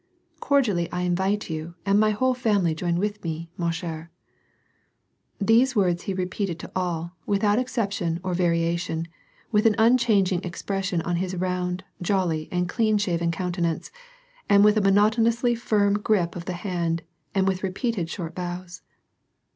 Cordially I invite you, and my whole family join with me, ma chere.^^ These words he repeated to all, without exception or varia tion, with an unchanging expression on his round, jolly, and clean shaven countenance, and with a monotonously firm grip of the hand, and with repeated short bows.